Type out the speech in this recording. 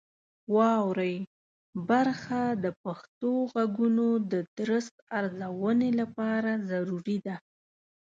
واورئ برخه د پښتو غږونو د درست ارزونې لپاره ضروري ده.